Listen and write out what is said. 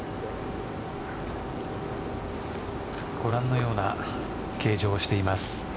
ご覧のような形状をしています。